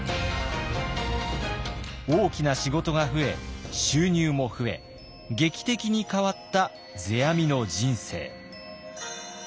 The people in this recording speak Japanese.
大きな仕事が増え収入も増え劇的に変わった世阿弥の人生。